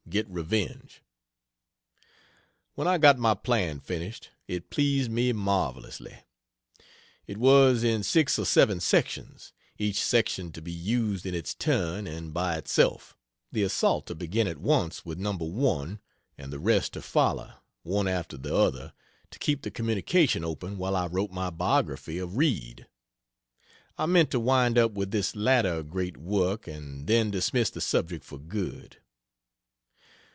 Get revenge. When I got my plan finished, it pleased me marvelously. It was in six or seven sections, each section to be used in its turn and by itself; the assault to begin at once with No. 1, and the rest to follow, one after the other, to keep the communication open while I wrote my biography of Reid. I meant to wind up with this latter great work, and then dismiss the subject for good.